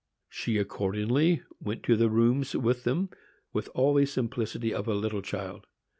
She accordingly went to the rooms with them, with all the simplicity of a little child.